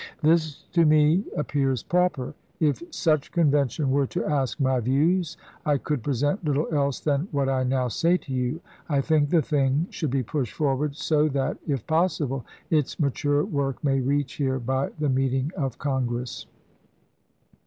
This to me 422 ABKAHAM LINCOLN Ch. XVII. Lincoln to Aug. 5, 1 MS. appears proper. If such Convention were to ask my views, I could present little else than what I now say to you. I think the thing should be pushed forward so that, if possible, its mature work may reach here by the meeting of Congress.